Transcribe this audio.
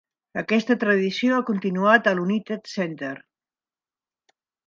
Aquesta tradició ha continuat al United Center.